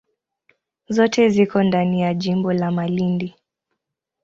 Zote ziko ndani ya jimbo la Malindi.